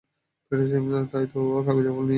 তাই তো কাগজের ফুল নিয়ে আসছি।